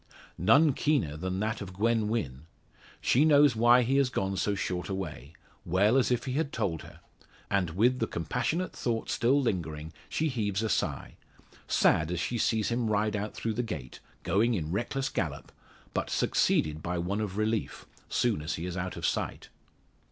None keener than that of Gwen Wynn. She knows why he has gone so short away, well as if he had told her. And with the compassionate thought still lingering, she heaves a sigh; sad as she sees him ride out through the gate going in reckless gallop but succeeded by one of relief, soon as he is out of sight!